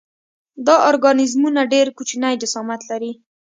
دا ارګانیزمونه ډېر کوچنی جسامت لري.